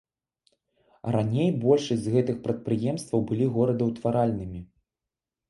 Раней большасць з гэтых прадпрыемстваў былі горадаўтваральнымі.